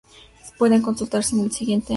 Pueden consultarse en el siguiente enlace